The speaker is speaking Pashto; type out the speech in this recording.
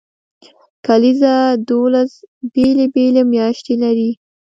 کلیزه دولس بیلې بیلې میاشتې لري.